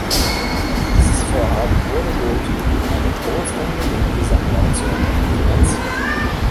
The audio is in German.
Dieses Vorhaben wurde durch eine großangelegte Sammelaktion finanziert.